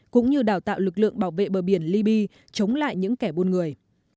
cũng như đào tạo lực lượng bảo vệ bờ biển liby chống lại những kẻ buôn người